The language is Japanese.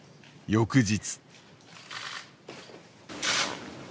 翌日。